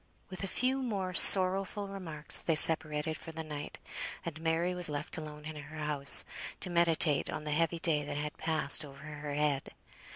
With a few more sorrowful remarks they separated for the night, and Mary was left alone in her house, to meditate on the heavy day that had passed over her head.